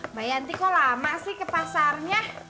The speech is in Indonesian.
mbak yanti kok lama sih ke pasarnya